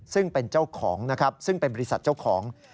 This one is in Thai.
ซึ่งเป็นบริษัทเจ้าของ